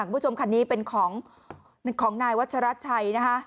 คุณผู้ชมคันนี้เป็นของนายวัชราชัยนะคะ